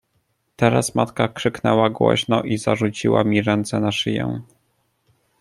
"Teraz matka krzyknęła głośno i zarzuciła mi ręce na szyję."